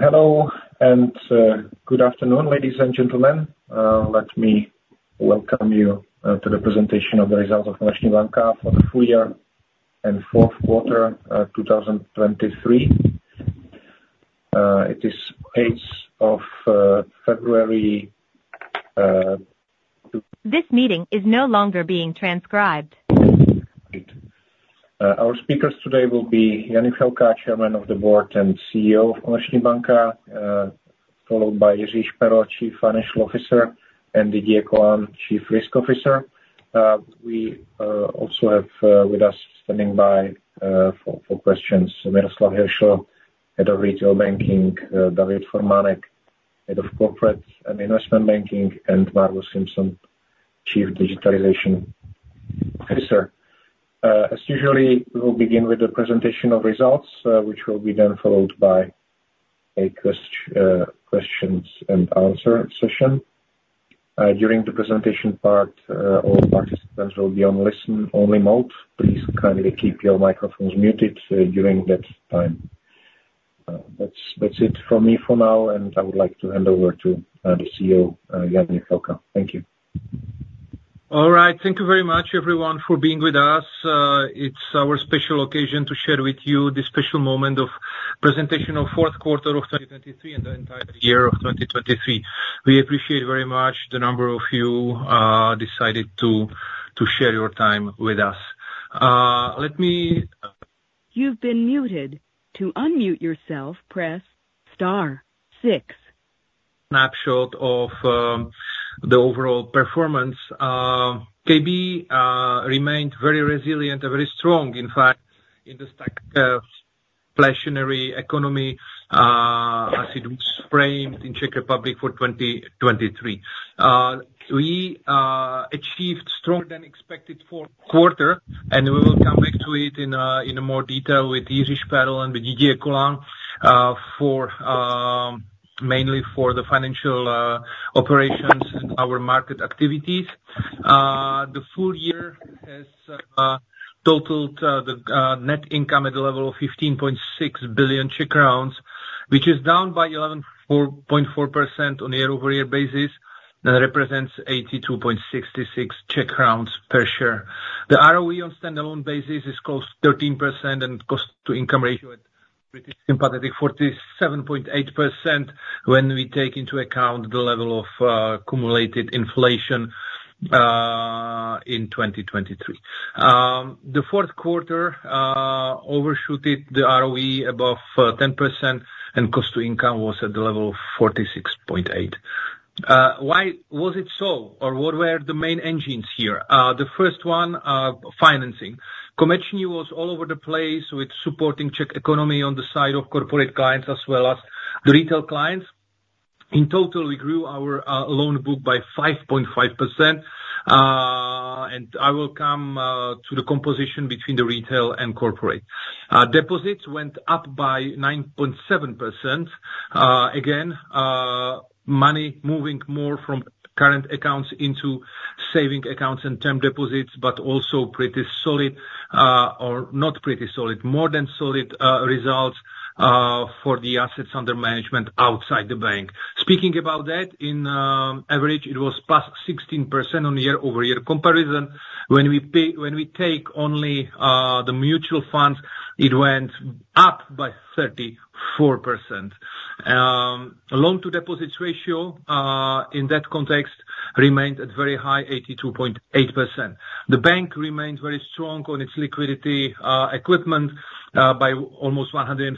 Hello and good afternoon, ladies and gentlemen. Let me welcome you to the presentation of the results of Komerční banka for the Full Year and Fourth Quarter of 2023. It is 8th of February. Our speakers today will be Jan Juchelka, Chairman of the Board and CEO of Komerční banka, followed by Jiří Šperl, Chief Financial Officer, and Didier Colin, Chief Risk Officer. We also have with us standing by for questions, Miroslav Hiršl, Head of Retail Banking, David Formánek, Head of Corporate and Investment Banking, and Margus Simson, Chief Digital Officer. As usual, we will begin with the presentation of results, which will be then followed by a questions-and-answer session. During the presentation part, all participants will be on listen-only mode. Please kindly keep your microphones muted during that time. That's it from me for now, and I would like to hand over to the CEO, Jan Juchelka. Thank you. All right. Thank you very much, everyone, for being with us. It's our special occasion to share with you this special moment of presentation of fourth quarter of 2023 and the entire year of 2023. We appreciate very much the number of you decided to share your time with us. Let me snapshot of the overall performance. KB remained very resilient and very strong, in fact, in the inflationary economy as it was framed in Czech Republic for 2023. We achieved stronger than expected fourth quarter, and we will come back to it in more detail with Jiří Šperl and Didier Colin for mainly for the financial operations, our market activities. The full year has totaled the net income at the level of 15.6 billion Czech crowns, which is down by 11.4% on a year-over-year basis and represents 82.66 per share. The ROE on standalone basis is close to 13%, and cost to income ratio is pretty sympathetic, 47.8% when we take into account the level of accumulated inflation in 2023. The fourth quarter overshoot the ROE above 10%, and cost to income was at the level of 46.8%. Why was it so, or what were the main engines here? The first one, financing. Komerční was all over the place with supporting Czech economy on the side of corporate clients as well as the retail clients. In total, we grew our loan book by 5.5%. And I will come to the composition between the retail and corporate. Deposits went up by 9.7%. Again, money moving more from current accounts into savings accounts and term deposits, but also pretty solid, or not pretty solid, more than solid, results for the assets under management outside the bank. Speaking about that, on average, it was +16% on a year-over-year comparison. When we pay—when we take only the mutual funds, it went up by 34%. Loan-to-deposit ratio, in that context, remained at very high 82.8%. The bank remains very strong on its liquidity, equipped by almost 150%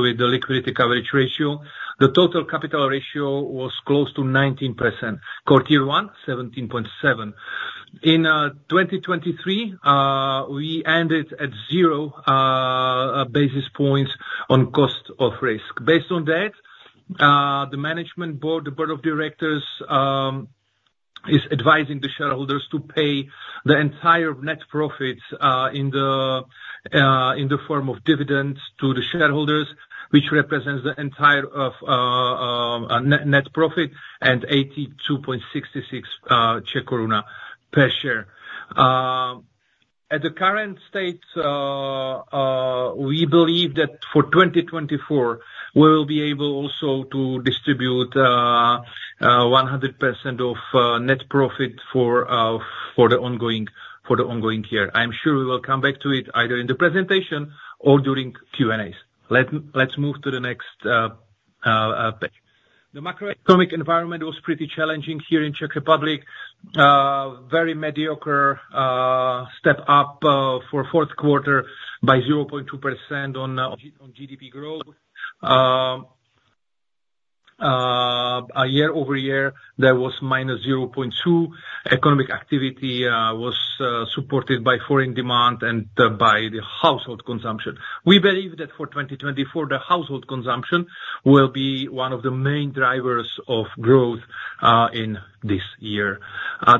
with the liquidity coverage ratio. The total capital ratio was close to 19%. Core Tier 1, 17.7%. In 2023, we ended at 0 basis points on cost of risk. Based on that, the management board, the board of directors, is advising the shareholders to pay the entire net profits, in the form of dividends to the shareholders, which represents the entire of, net, net profit and 82.66 per share. At the current state, we believe that for 2024, we will be able also to distribute, one hundred percent of, net profit for, for the ongoing, for the ongoing year. I'm sure we will come back to it either in the presentation or during Q&As. Let's move to the next page. The macroeconomic environment was pretty challenging here in Czech Republic. Very mediocre, step up, for fourth quarter by 0.2% on, on GDP growth. Year-over-year, that was -0.2. Economic activity was supported by foreign demand and by the household consumption. We believe that for 2024, the household consumption will be one of the main drivers of growth in this year.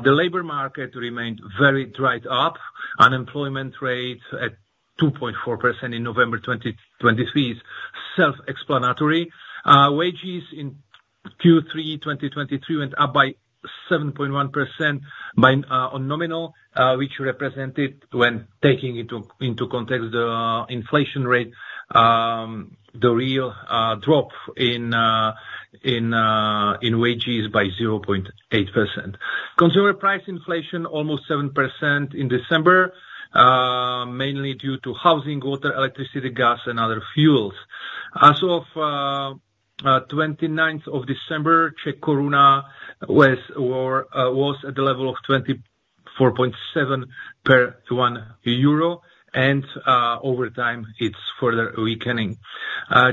The labor market remained very tight. Unemployment rate at 2.4% in November 2023 is self-explanatory. Wages in Q3 2023 went up by 7.1% on nominal, which represented when taking into context the inflation rate, the real drop in wages by 0.8%. Consumer price inflation almost 7% in December, mainly due to housing, water, electricity, gas, and other fuels. As of 29th December, Czech koruna was at the level of 24.7 per 1 euro, and over time, it's further weakening.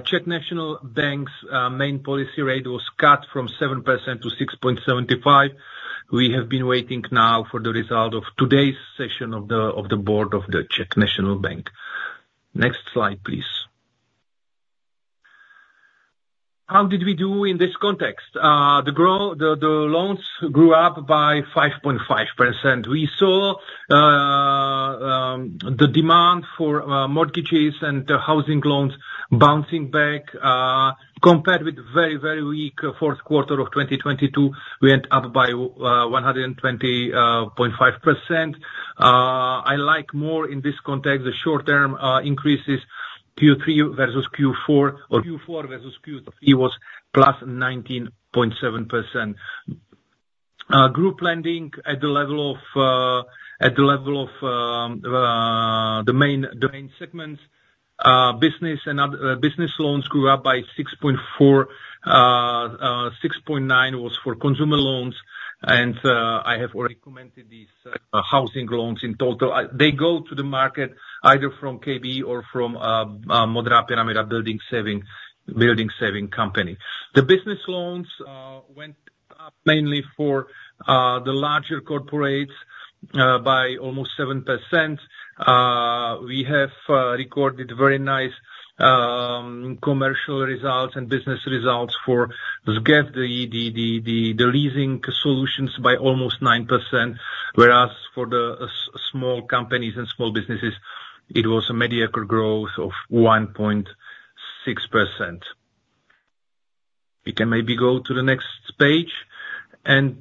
Czech National Bank's main policy rate was cut from 7% to 6.75%. We have been waiting now for the result of today's session of the board of the Czech National Bank. Next slide, please. How did we do in this context? The loans grew up by 5.5%. We saw the demand for mortgages and the housing loans bouncing back, compared with very, very weak fourth quarter of 2022, we went up by 120.5%. I like more in this context, the short term, increases Q3 versus Q4, or Q4 versus Q3 was +19.7%. Group lending at the level of, at the level of, the main segments, business and other business loans grew up by 6.4, 6.9% was for consumer loans. And, I have already commented these, housing loans in total. They go to the market either from KB or from, Modrá pyramida building saving company. The business loans, went up mainly for, the larger corporates, by almost 7%. We have recorded very nice commercial results and business results for the leasing solutions by almost 9%, whereas for the small companies and small businesses, it was a mediocre growth of 1.6%. We can maybe go to the next page, and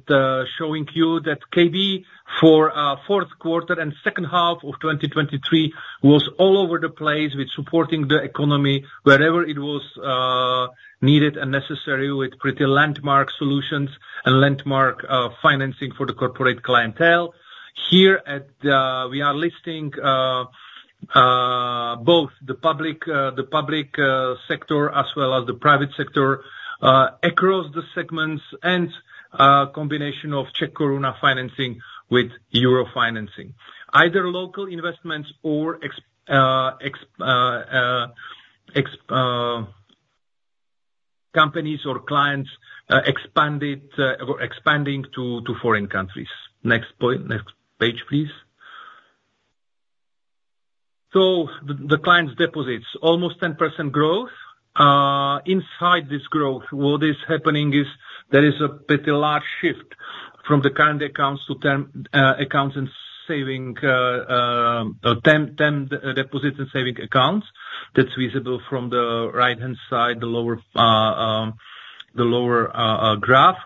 showing you that KB, for fourth quarter and second half of 2023, was all over the place with supporting the economy wherever it was needed and necessary, with pretty landmark solutions and landmark financing for the corporate clientele. Here, we are listing both the public sector, as well as the private sector across the segments, and combination of Czech koruna financing with euro financing. Either local investments or existing companies or clients expanded or expanding to foreign countries. Next point, next page, please. So the client's deposits, almost 10% growth. Inside this growth, what is happening is there is a pretty large shift from the current accounts to term accounts and savings term deposits and savings accounts. That's visible from the right-hand side, the lower graph.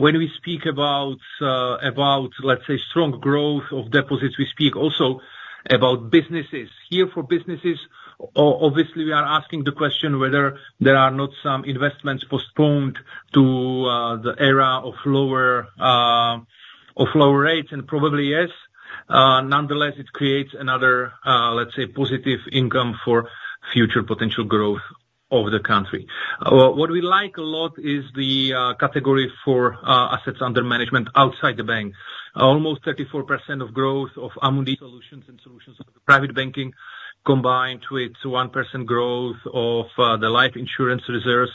When we speak about, let's say, strong growth of deposits, we speak also about businesses. Here, for businesses, obviously, we are asking the question whether there are not some investments postponed to the era of lower rates, and probably, yes. Nonetheless, it creates another, let's say, positive income for future potential growth of the country. What we like a lot is the category for assets under management outside the bank. Almost 34% of growth of Amundi solutions and solutions for the private banking, combined with one percent growth of the life insurance reserves,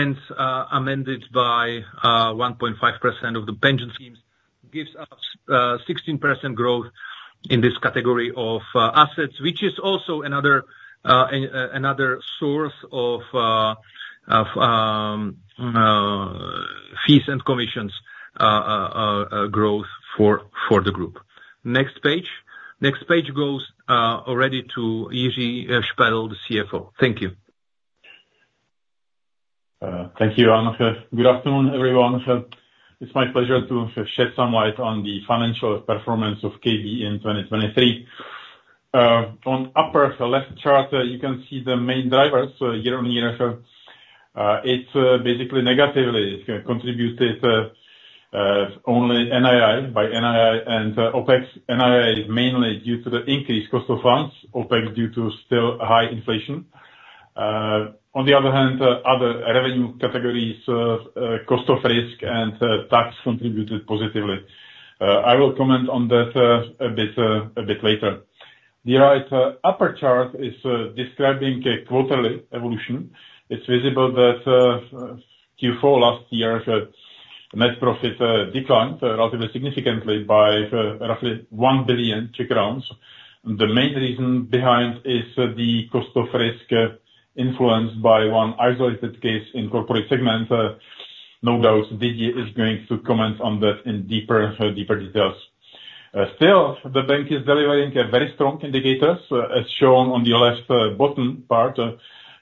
and amended by 1.5% of the pension schemes, gives us 16% growth in this category of assets, which is also another source of fees and commissions, a growth for the group. Next page. Next page goes already to Jiří Šperl, the CFO. Thank you. Thank you, Jan. Good afternoon, everyone. It's my pleasure to shed some light on the financial performance of KB in 2023. On upper left chart, you can see the main drivers, year-on-year. It's basically negatively contributed only NII, by NII and OPEX. NII, mainly due to the increased cost of funds, OPEX due to still high inflation. On the other hand, other revenue categories, cost of risk and tax contributed positively. I will comment on that a bit later. The right upper chart is describing a quarterly evolution. It's visible that Q4 last year, net profit declined relatively significantly by roughly 1 billion Czech crowns. The main reason behind is the cost of risk, influenced by one isolated case in corporate segment. No doubt, Didier is going to comment on that in deeper details. Still, the bank is delivering very strong indicators, as shown on the left bottom part.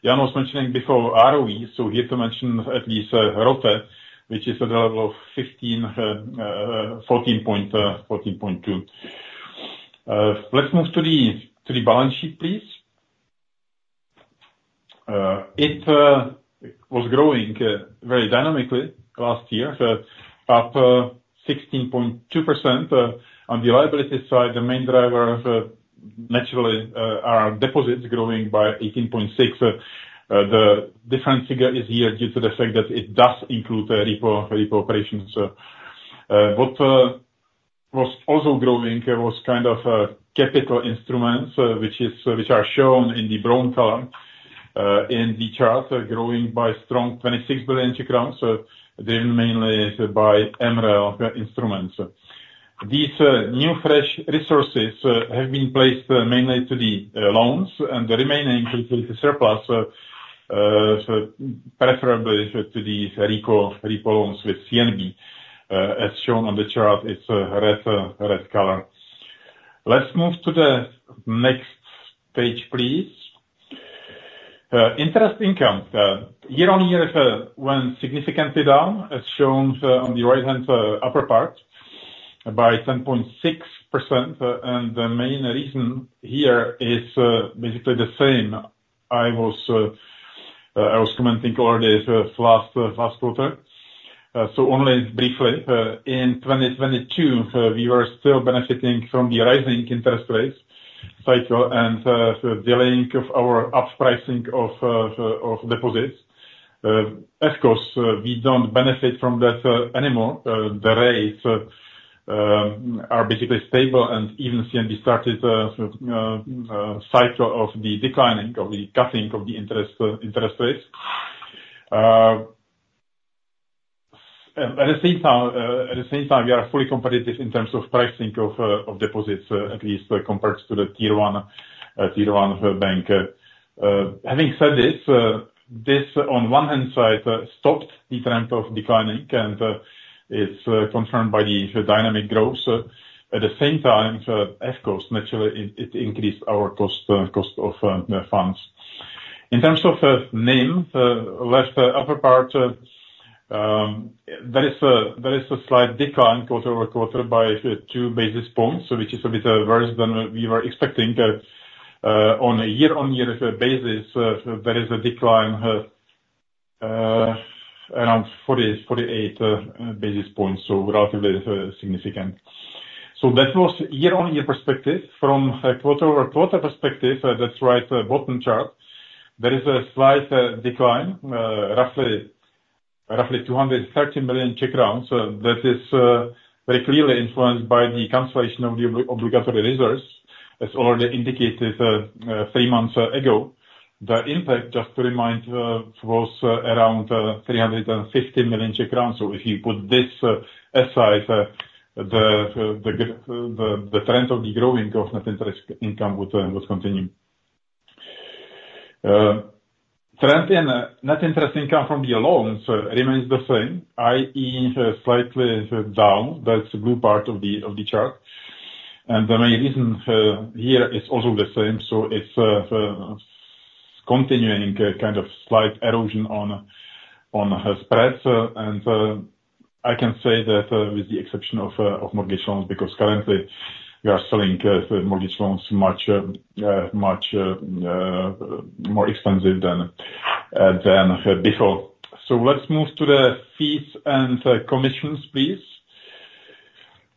Jan was mentioning before ROE, so here to mention at least, ROTE, which is at the level of 15, 14.2. Let's move to the balance sheet, please. It was growing very dynamically last year, up 16.2%. On the liability side, the main driver, naturally, are deposits growing by 18.6%. The different figure is here due to the fact that it does include repo operations. What was also growing was kind of capital instruments, which are shown in the brown color in the chart, growing by strong 26 billion Czech crowns, driven mainly by MREL instruments. These new, fresh resources have been placed mainly to the loans, and the remaining include the surplus, preferably to the repo loans with CNB. As shown on the chart, it's red color. Let's move to the next page, please. Interest income year-on-year went significantly down, as shown on the right-hand upper part, by 10.6%. And the main reason here is basically the same. I was commenting already last quarter. So only briefly, in 2022, we were still benefiting from the rising interest rates cycle and delaying of our up pricing of deposits. Of course, we don't benefit from that anymore. The rates are basically stable, and even CNB started cycle of the declining, of the cutting of the interest interest rates. And at the same time, we are fully competitive in terms of pricing of of deposits, at least compared to the tier one tier one bank. Having said this, this on one hand side stopped the trend of declining, and it's confirmed by the dynamic growth. At the same time, of course, naturally, it increased our cost cost of funds. In terms of NIM, left upper part, there is a slight decline quarter-over-quarter by two basis points, which is a bit worse than we were expecting. On a year-on-year basis, there is a decline around 48 basis points, so relatively significant. So that was year-on-year perspective. From a quarter-over-quarter perspective, that's right, bottom chart, there is a slight decline roughly 230 million Czech crowns. That is very clearly influenced by the cancellation of the obligatory reserves, as already indicated three months ago. The impact, just to remind, was around 350 million Czech crowns. So if you put this aside, the trend of the growing of net interest income would continue. Trend in net interest income from the loans remains the same, i.e., slightly down. That's the blue part of the chart. And the main reason here is also the same, so it's continuing a kind of slight erosion on spreads. And I can say that with the exception of mortgage loans, because currently we are selling mortgage loans much more expensive than before. So let's move to the fees and commissions, please.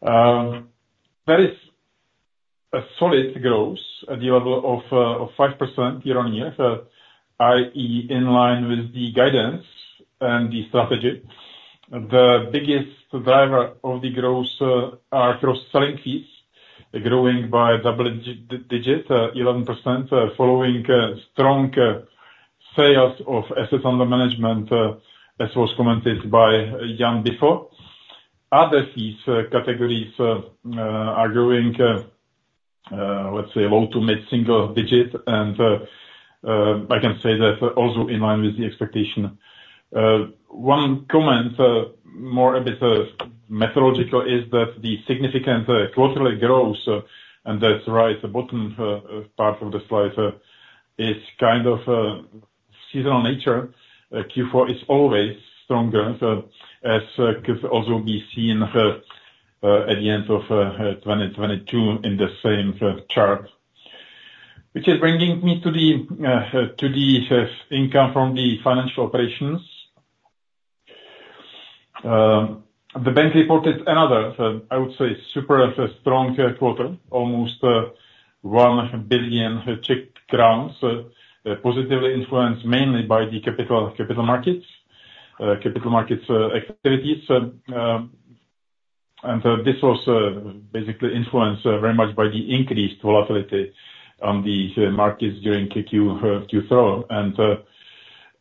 There is a solid growth at the level of 5% year-on-year, i.e., in line with the guidance and the strategy. The biggest driver of the growth are cross-selling fees, growing by double-digit 11%, following strong sales of assets under management, as was commented by Jan before. Other fees categories are growing, let's say low- to mid-single-digit, and I can say that also in line with the expectation. One comment, a bit more methodological, is that the significant quarterly growth, and that's right, the bottom part of the slide, is kind of seasonal nature. Q4 is always stronger, as can also be seen at the end of 2022 in the same chart. Which is bringing me to the income from the financial operations. The bank reported another, I would say, super strong quarter, almost 1 billion crowns, positively influenced mainly by the capital markets activities. And this was basically influenced very much by the increased volatility on the markets during Q4.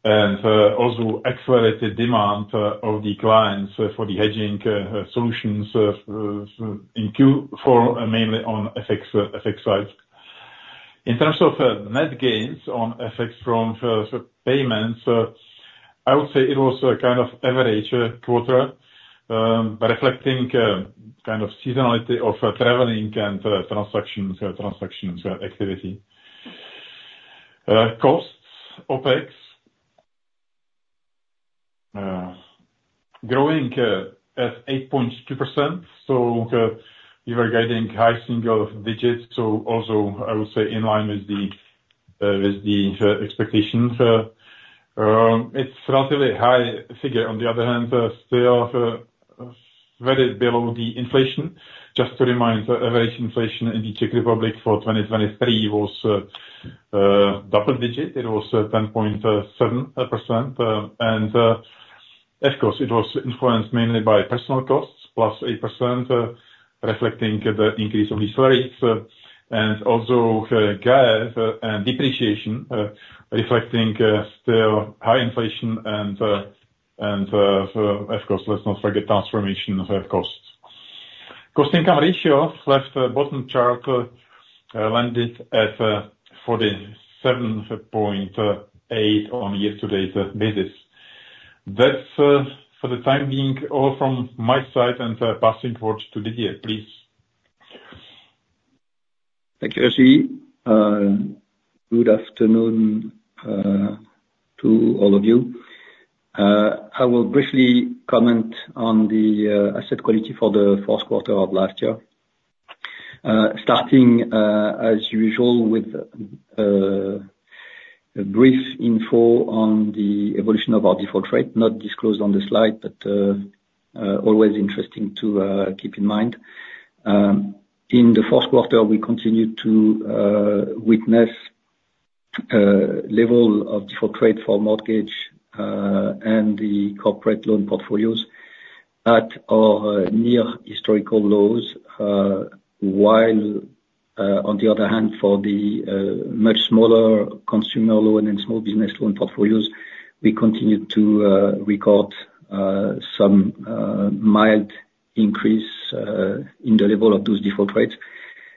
And also accelerated demand of the clients for the hedging solutions in Q4, mainly on FX side. In terms of net gains on FX payments, I would say it was a kind of average quarter, reflecting kind of seasonality of traveling and transaction activity. Costs, OpEx growing at 8.2%, so we were guiding high single digits, so also I would say in line with the expectations. It's relatively high figure, on the other hand, still very below the inflation. Just to remind, average inflation in the Czech Republic for 2023 was double digit. It was 10.7%. And of course, it was influenced mainly by personnel costs +8%, reflecting the increase of these rates, and also gas and depreciation, reflecting still high inflation and so of course, let's not forget transformation of our costs. Cost income ratio left bottom chart landed at 47.8 on yesterday's business. That's, for the time being, all from my side, and passing forward to Didier, please. Thank you, Jiří. Good afternoon to all of you. I will briefly comment on the asset quality for the fourth quarter of last year. Starting as usual with a brief info on the evolution of our default rate, not disclosed on the slide, but always interesting to keep in mind. In the fourth quarter, we continued to witness level of default rate for mortgage and the corporate loan portfolios at, or near historical lows, while on the other hand, for the much smaller consumer loan and small business loan portfolios, we continued to record some mild increase in the level of those default rates.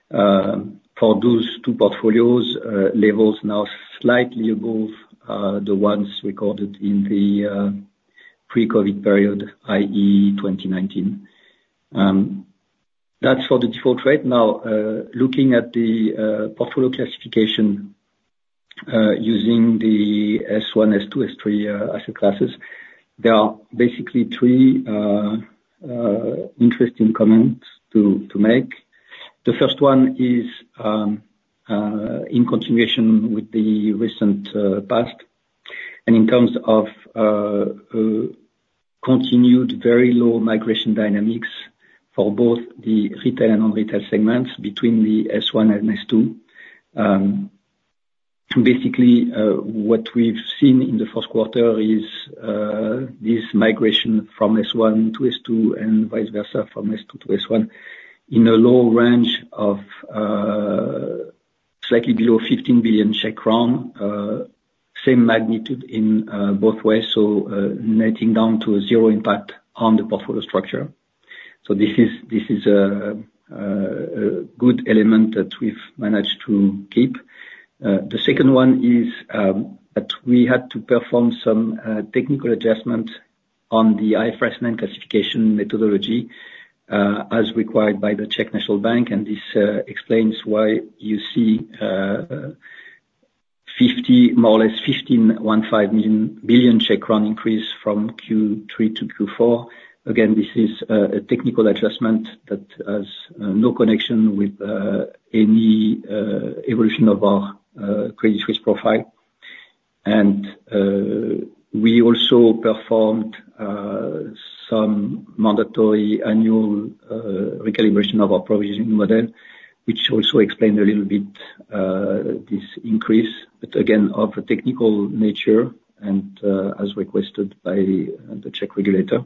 For those two portfolios, levels now slightly above the ones recorded in the pre-COVID period, i.e., 2019. That's for the default rate. Now, looking at the portfolio classification, using the S1, S2, S3 asset classes, there are basically three interesting comments to make. The first one is in continuation with the recent past, and in terms of continued very low migration dynamics for both the retail and non-retail segments between the S1 and S2. Basically, what we've seen in the first quarter is this migration from S1 to S2, and vice versa, from S2 to S1, in a low range of slightly below 15 billion Czech crown. Same magnitude in both ways, so netting down to a zero impact on the portfolio structure. So this is a good element that we've managed to keep. The second one is that we had to perform some technical adjustment on the IFRS classification methodology as required by the Czech National Bank, and this explains why you see more or less 1.5 billion increase from Q3-Q4. Again, this is a technical adjustment that has no connection with any evolution of our credit risk profile. We also performed some mandatory annual recalibration of our provisioning model, which also explained a little bit this increase, but again, of a technical nature and as requested by the Czech regulator.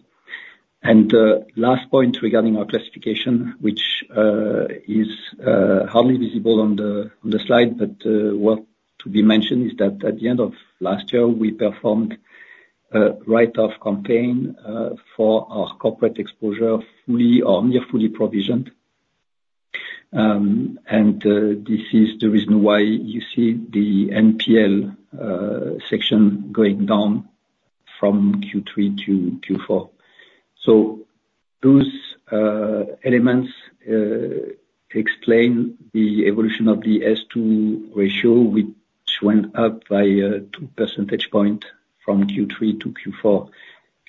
Last point regarding our classification, which is hardly visible on the slide, but worth to be mentioned, is that at the end of last year, we performed a write-off campaign for our corporate exposure, fully or near fully provisioned. This is the reason why you see the NPL section going down from Q3-Q4. Those elements explain the evolution of the S2 ratio, which went up by two percentage point from Q3-Q4,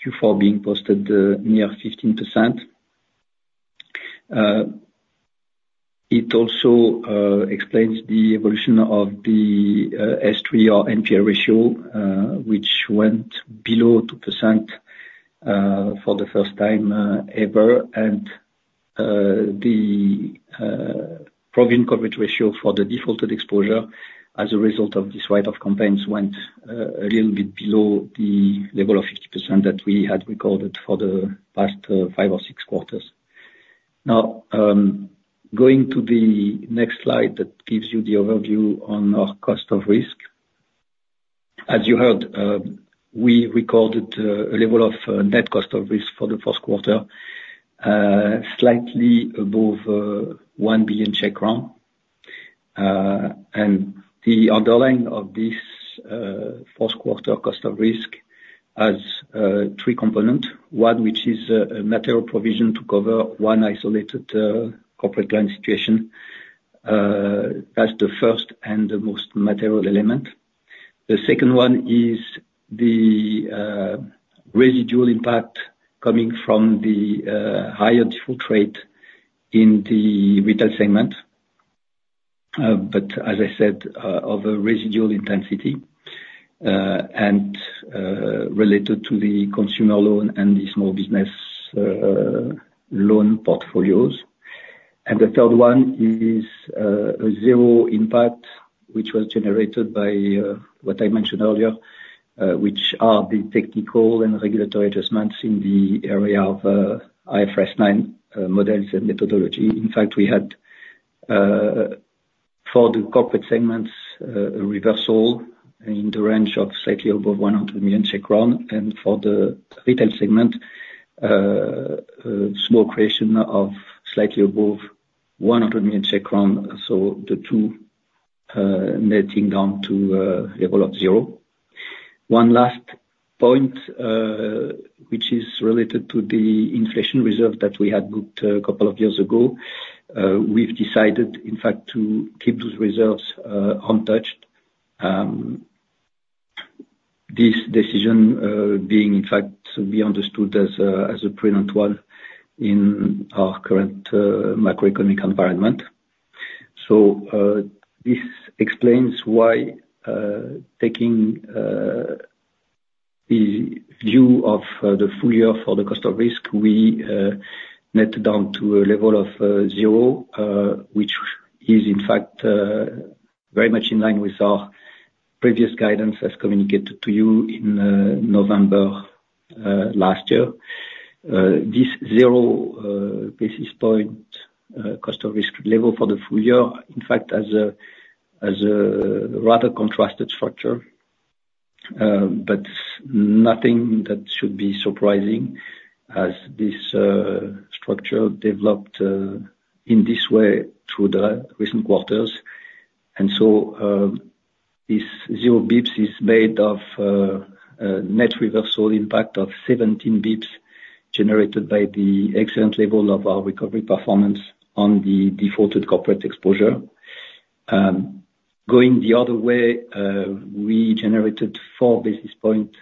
Q4 being posted near 15%. It also explains the evolution of the S3 or NPL ratio, which went below 2% for the first time ever. The provision coverage ratio for the defaulted exposure as a result of this write-off campaigns went a little bit below the level of 50% that we had recorded for the past 5 or 6 quarters. Now, going to the next slide, that gives you the overview on our cost of risk. As you heard, we recorded a level of net cost of risk for the first quarter slightly above 1 billion Czech crown. And the underlying of this first quarter cost of risk has three components. One, which is a material provision to cover one isolated corporate client situation. That's the first and the most material element. The second one is the residual impact coming from the higher default rate in the retail segment. But as I said, of a residual intensity, and related to the consumer loan and the small business loan portfolios. And the third one is a zero impact, which was generated by what I mentioned earlier, which are the technical and regulatory adjustments in the area of IFRS 9 models and methodology. In fact, we had for the corporate segments a reversal in the range of slightly above 100 million, and for the retail segment a small creation of slightly above 100 million, so the two netting down to a level of zero. One last point, which is related to the inflation reserve that we had booked a couple of years ago. We've decided, in fact, to keep those reserves untouched. This decision, being in fact to be understood as a prudent one in our current macroeconomic environment. So, this explains why, taking the view of the full year for the Cost of Risk, we net down to a level of zero, which is in fact very much in line with our previous guidance as communicated to you in November last year. This zero basis point Cost of Risk level for the full year, in fact, has a, has a rather contrasted structure, but nothing that should be surprising, as this structure developed in this way through the recent quarters. This 0 bips is made of a net reversal impact of 17 bips, generated by the excellent level of our recovery performance on the defaulted corporate exposure. Going the other way, we generated four basis point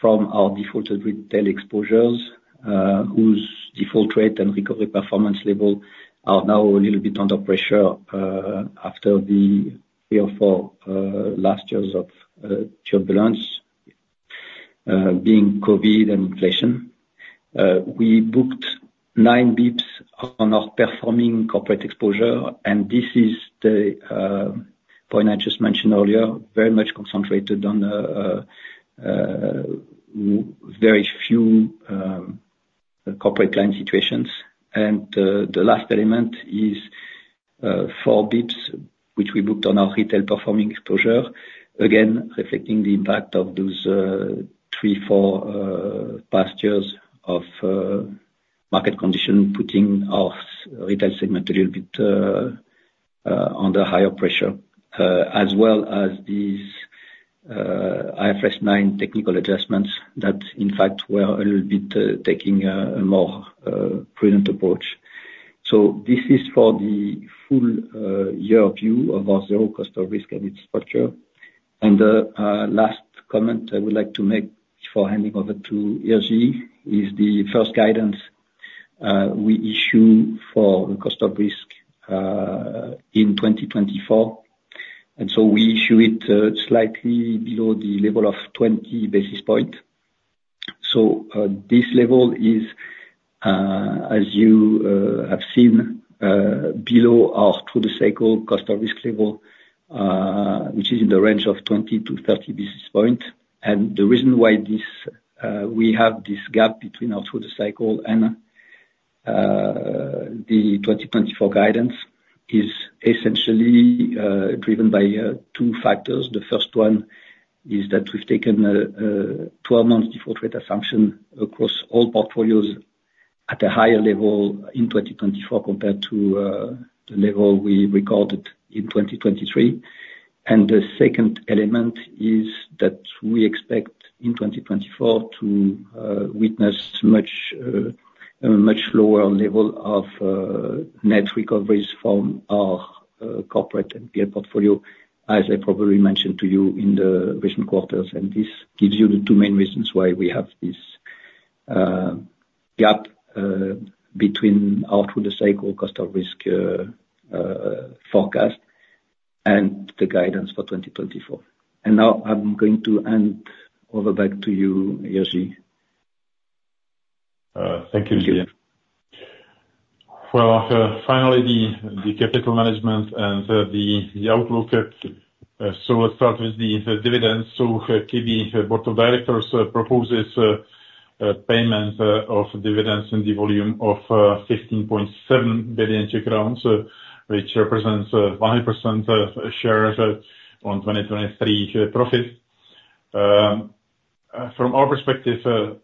from our defaulted retail exposures, whose default rate and recovery performance level are now a little bit under pressure, after the 3 or 4 last years of turbulence, being COVID and inflation. We booked nine bips on our performing corporate exposure, and this is the point I just mentioned earlier, very much concentrated on very few corporate client situations. The last element is 4 basis points, which we booked on our retail performing exposure, again, reflecting the impact of those 3, 4 past years of market condition, putting our retail segment a little bit under higher pressure, as well as these IFRS 9 technical adjustments, that in fact, were a little bit taking a more prudent approach. So this is for the full year view of our 0 cost of risk and its structure. Last comment I would like to make before handing over to Jiří is the first guidance we issue for the cost of risk in 2024. And so we issue it slightly below the level of 20 basis points. This level is, as you have seen, below our through-the-cycle cost of risk level, which is in the range of 20-30 basis point. The reason why this we have this gap between our through-the-cycle and the 2024 guidance is essentially driven by two factors. The first one is that we've taken a twelve-month default rate assumption across all portfolios at a higher level in 2024, compared to the level we recorded in 2023. The second element is that we expect in 2024 to witness a much lower level of net recoveries from our corporate and peer portfolio, as I probably mentioned to you in the recent quarters. And this gives you the two main reasons why we have this gap between our through-the-cycle cost of risk forecast and the guidance for 2024. And now I'm going to hand over back to you, Jiří. Thank you. Well, finally, the capital management and the outlook, so let's start with the dividends. KB board of directors proposes payment of dividends in the volume of 15.7 billion Czech crowns, which represents 100% of share of 2023 profit. From our perspective,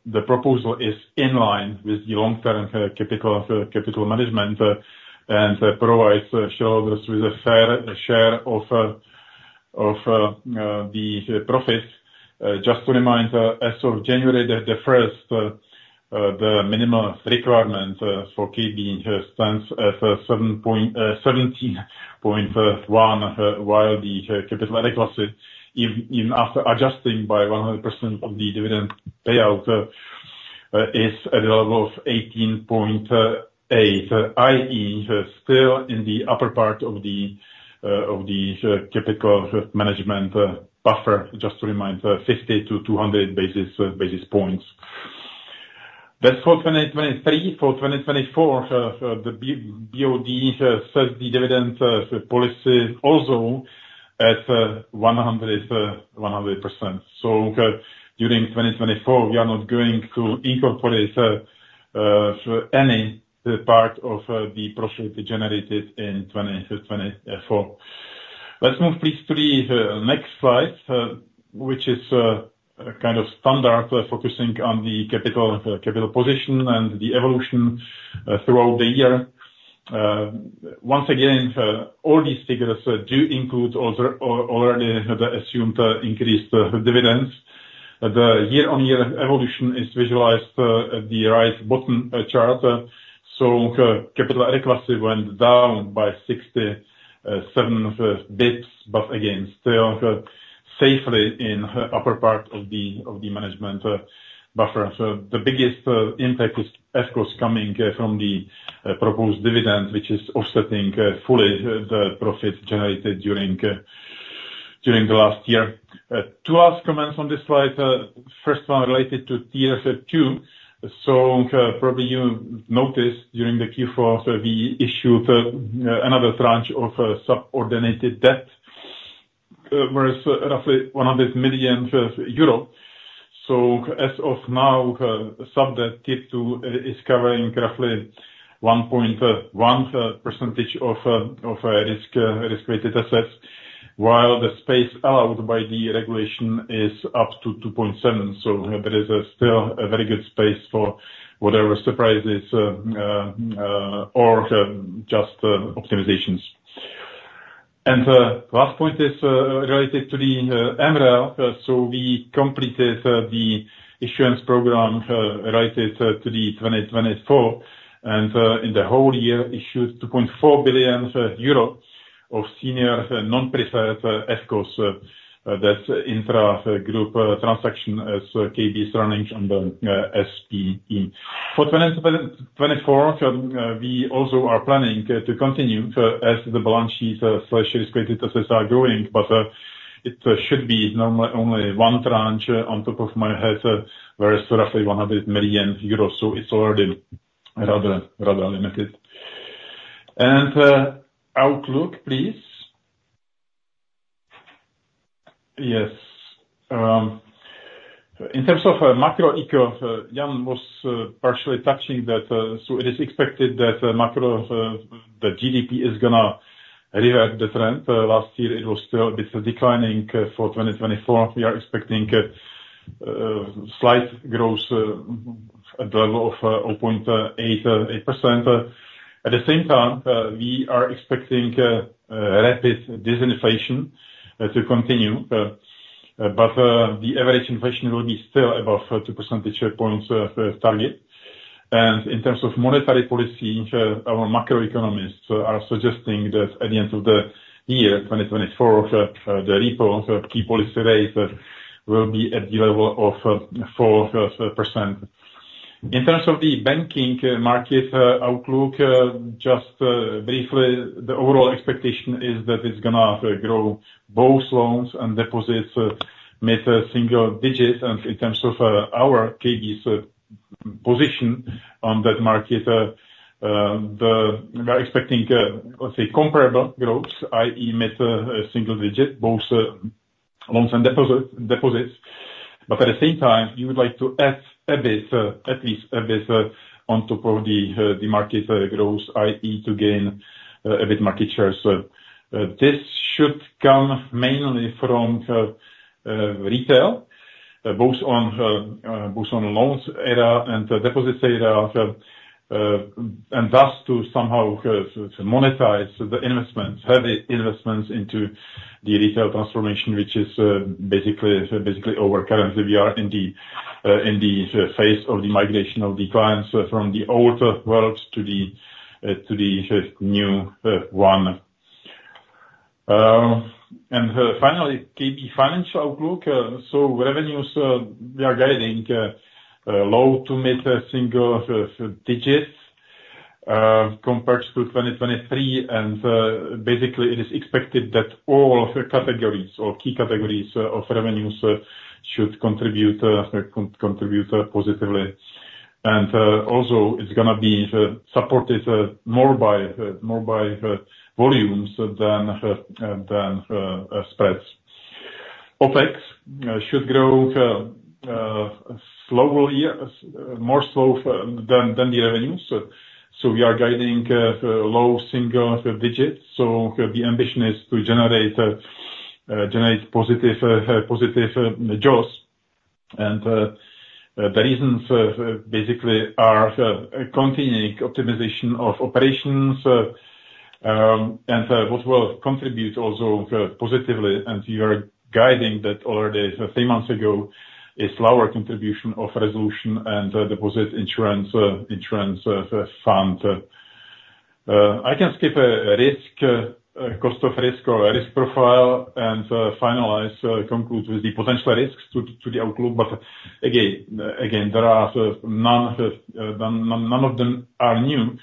the proposal is in line with the long-term capital management and provides shareholders with a fair share of the profits. Just to remind, as of January 1, the minimum requirement for KB stands at 17.1, while the capital adequacy, even after adjusting by 100% of the dividend payout, is at a level of 18.8. i.e., still in the upper part of the capital management buffer, just to remind, 50-200 basis points. That's for 2023. For 2024, the BoD sets the dividend policy also at 100%. So, during 2024, we are not going to incorporate any part of the profit generated in 2024. Let's move please to the next slide, which is kind of standard, focusing on the capital position and the evolution throughout the year. Once again, all these figures do include already the assumed increased dividends. The year-on-year evolution is visualized at the right bottom chart. So, capital adequacy went down by 67 basis points, but again, still, safely in the upper part of the management buffer. So the biggest impact is, of course, coming from the proposed dividend, which is offsetting fully the profit generated during the last year. Two last comments on this slide. First one related to T2. So, probably you noticed during the Q4, we issued another tranche of subordinated debt, was roughly 100 million euro. So as of now, sub debt Tier 2 is covering roughly 1.1% of risk-weighted assets, while the space allowed by the regulation is up to 2.7%. So there is still a very good space for whatever surprises or just optimizations. And last point is related to the MREL. So we completed the issuance program related to the 2024, and in the whole year issued 2.4 billion euro of senior non-preferred euros. That's intra-group transaction as KB is running on the SPE. For 2024, we also are planning to continue as the balance sheet slash risk-weighted assets are growing, but it should be normally only one tranche off the top of my head where is roughly 100 million euros, so it's already rather rather limited. And outlook, please. Yes. In terms of macro eco, Jan was partially touching that, so it is expected that macro the GDP is gonna revert the trend. Last year, it was still a bit declining. For 2024, we are expecting a slight growth at the level of 0.88%. At the same time, we are expecting a rapid disinflation to continue, but the average inflation will be still above 2 percentage points target. And in terms of monetary policy, our macroeconomists are suggesting that at the end of the year, 2024, the repo key policy rate will be at the level of 4%. In terms of the banking market outlook, just briefly, the overall expectation is that it's gonna grow both loans and deposits mid-single digits. And in terms of our KB's position on that market, we are expecting, let's say, comparable growth, i.e., mid single digit, both loans and deposits. But at the same time, we would like to add a bit, at least a bit, on top of the market growth, i.e., to gain a bit market share. So, this should come mainly from retail, both on loans area and deposits area, and thus to somehow monetize the investments, heavy investments into the retail transformation, which is basically over. Currently, we are in the phase of the migration of the clients from the old worlds to the new one. Finally, KB financial outlook. So revenues, we are guiding low to mid-single digits compared to 2023. Basically, it is expected that all of the categories or key categories of revenues should contribute positively. Also, it's gonna be supported more by volumes than spreads. OPEX should grow slowly, yeah, more slow than the revenues. So we are guiding low single digits, so the ambition is to generate positive JOs. The reasons for basically are continuing optimization of operations and what will contribute also positively, and we are guiding that already three months ago, is lower contribution of resolution and deposit insurance fund. I can skip risk, cost of risk or risk profile, and finalize conclude with the potential risks to the outlook. But again, again, there are none, none of them are new,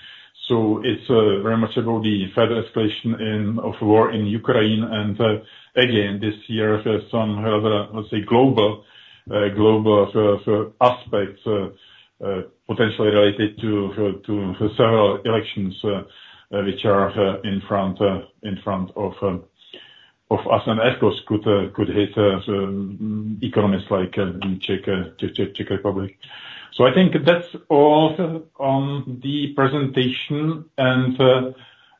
so it's very much about the further escalation in of war in Ukraine. And again, this year, there's some, let's say, global, global aspects, potentially related to to several elections, which are in front, in front of of us. And of course, could could hit us, economists like in Czech, Czech Republic. So I think that's all on the presentation, and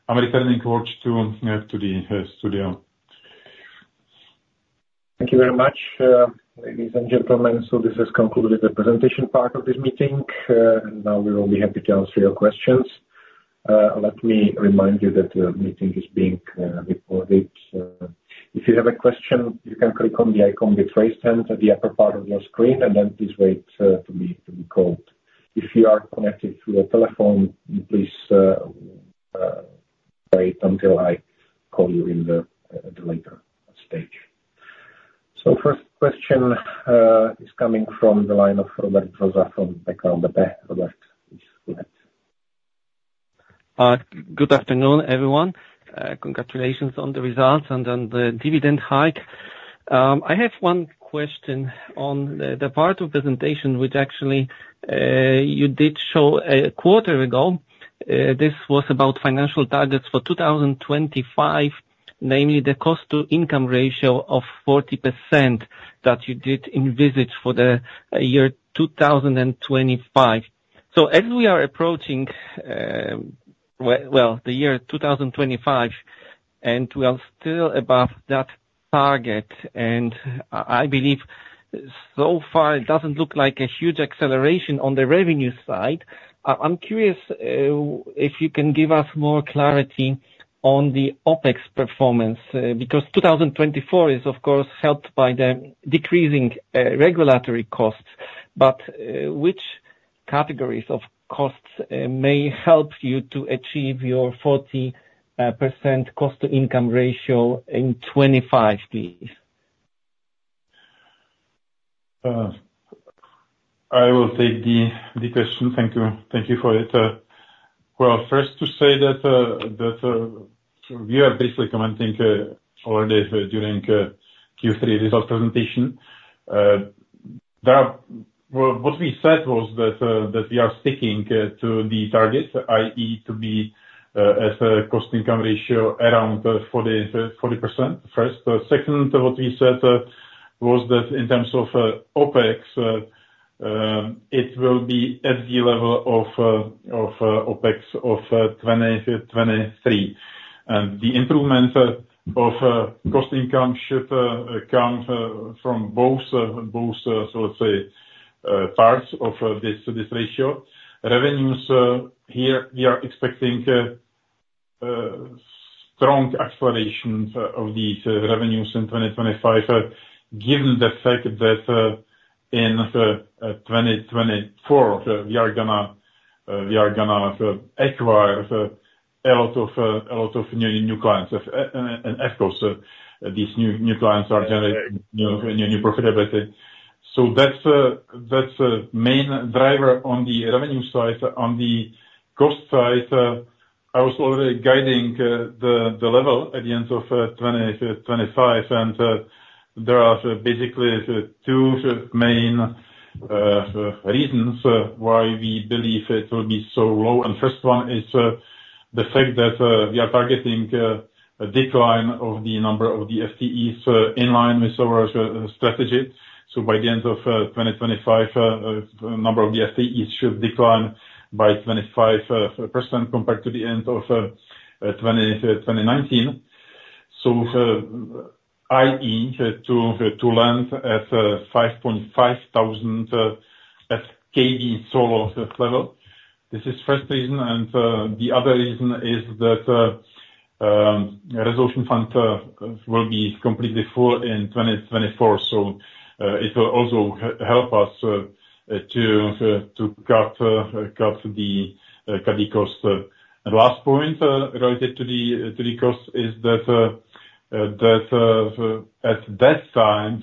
I'm returning course to the studio. Thank you very much, ladies and gentlemen. So this has concluded the presentation part of this meeting, and now we will be happy to answer your questions. Let me remind you that the meeting is being recorded. If you have a question, you can click on the icon with raised hand at the upper part of your screen, and then please wait to be called. If you are connected through a telephone, please wait until I call you in the later stage. So first question is coming from the line of Robert Brzoza. Robert, go ahead. Good afternoon, everyone. Congratulations on the results and on the dividend hike. I have one question on the part of presentation, which actually you did show a quarter ago. This was about financial targets for 2025, namely the cost-to-income ratio of 40% that you did envisage for the year 2025. So as we are approaching the year 2025, and we are still above that target, and I believe so far, it doesn't look like a huge acceleration on the revenue side. I'm curious if you can give us more clarity on the OPEX performance, because 2024 is of course helped by the decreasing regulatory costs. But, which categories of costs may help you to achieve your 40% Cost-to-Income Ratio in 2025, please? I will take the question. Thank you. Thank you for it. Well, first to say that we are basically commenting already during Q3 results presentation. Well, what we said was that we are sticking to the target, i.e., to be, as a cost-income ratio around 40% first. Second, what we said was that in terms of OPEX, it will be at the level of OPEX of 2023. And the improvement of cost income should come from both, so let's say, parts of this ratio. Revenues, here we are expecting strong acceleration of these revenues in 2025, given the fact that in 2024, we are gonna acquire a lot of new clients. And of course, these new clients are generating new profitability. So that's a main driver on the revenue side. On the cost side, I was already guiding the level at the end of 2025, and there are basically two main reasons why we believe it will be so low. And first one is the fact that we are targeting a decline of the number of the FTEs in line with our strategy. So by the end of 2025, the number of the FTEs should decline by 25% compared to the end of 2019. So, i.e., to land at 5,500 FTE solo level. This is first reason, and the other reason is that the resolution fund will be completely full in 2024. So, it will also help us to cut the costs. And last point related to the cost is that at that time,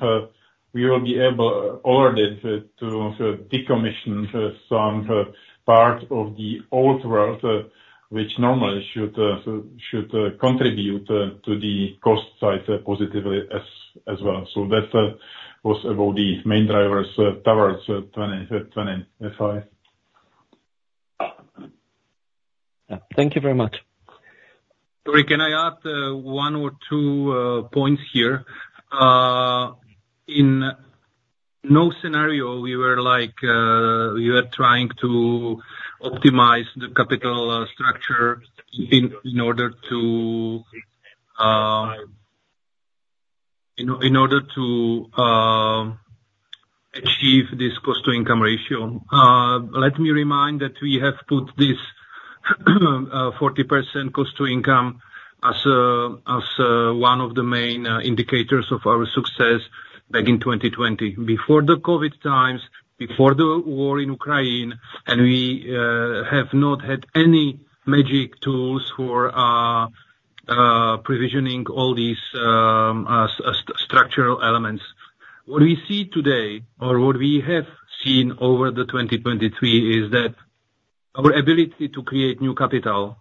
we will be able already to decommission some part of the old world, which normally should contribute to the cost side positively as well. So that was about the main drivers towards 2025. Yeah, thank you very much. Sorry, can I add one or two points here? In no scenario we were like, we are trying to optimize the capital structure in order to achieve this cost to income ratio. Let me remind that we have put this 40% cost to income as one of the main indicators of our success back in 2020. Before the COVID times, before the war in Ukraine, and we have not had any magic tools for structural elements. What we see today, or what we have seen over 2023, is that our ability to create new capital,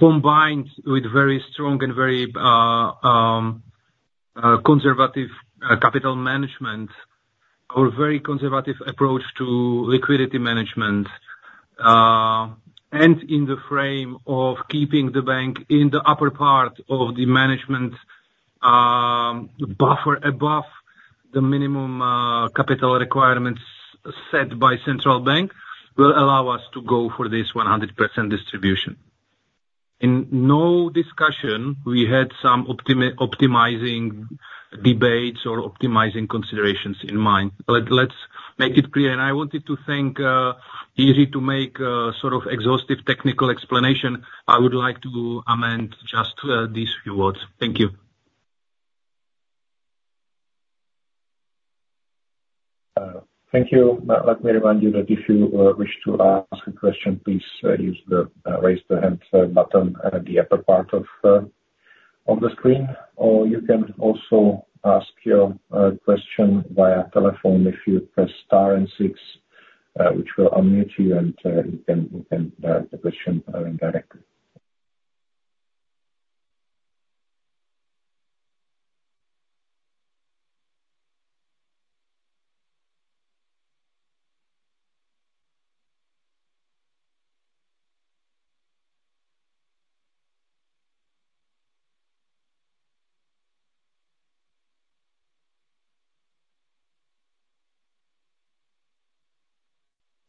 combined with very strong and very conservative capital management, our very conservative approach to liquidity management, and in the frame of keeping the bank in the upper part of the management buffer above the minimum capital requirements set by central bank, will allow us to go for this 100% distribution. In no discussion, we had some optimizing debates or optimizing considerations in mind. Let's make it clear. I wanted to thank Jiří to make sort of exhaustive technical explanation. I would like to amend just these few words. Thank you. Thank you. But let me remind you that if you wish to ask a question, please use the raise the hand button at the upper part of on the screen, or you can also ask your question via telephone if you press star and six, which will unmute you, and you can direct the question directly.